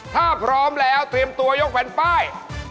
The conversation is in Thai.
ถ้าพร้อมแล้วเตรียมตัวยกแผ่นป้าย